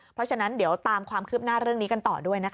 เพราะฉะนั้นเดี๋ยวตามความคืบหน้าเรื่องนี้กันต่อด้วยนะคะ